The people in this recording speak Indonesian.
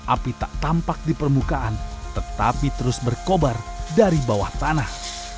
api tak tampak di permukaan tetapi terus berkobar dari bawah tanah